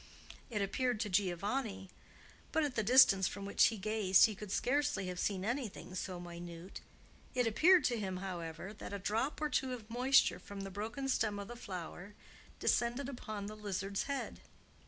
It appeared to Giovanni,—but, at the distance from which he gazed, he could scarcely have seen anything so minute,—it appeared to him, however, that a drop or two of moisture from the broken stem of the flower descended upon the lizard's head.